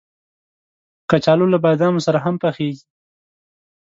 کچالو له بادامو سره هم پخېږي